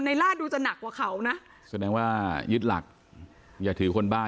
ล่าดูจะหนักกว่าเขานะแสดงว่ายึดหลักอย่าถือคนบ้า